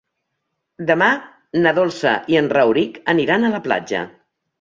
Demà na Dolça i en Rauric aniran a la platja.